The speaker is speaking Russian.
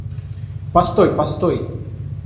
Постой, постой!